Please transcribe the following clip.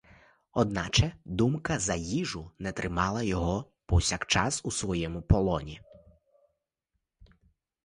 Одначе, думка за їжу не тримала його повсякчас у своєму полоні.